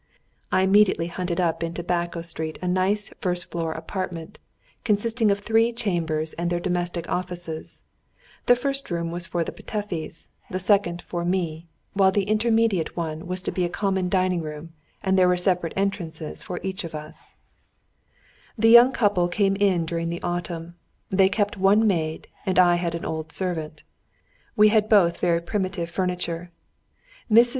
I immediately hunted up in Tobacco Street a nice first floor apartment, consisting of three chambers and their domestic offices; the first room was for the Petöfis, the second for me, while the intermediate one was to be a common dining room, and there were separate entrances for each of us. [Footnote 26: Used here in the French sense of a suite of rooms.] The young couple came in during the autumn; they kept one maid, and I had an old servant. We had both very primitive furniture. Mrs.